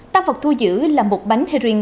tăng vật thu giữ là một bánh herring